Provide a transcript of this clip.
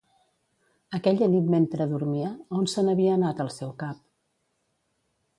Aquella nit mentre dormia, a on se n'havia anat el seu cap?